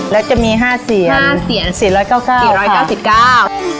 แล้วจะมีห้าเสียนห้าเสียนสี่ร้อยเก้าเก้าสี่ร้อยเก้าสิบเก้า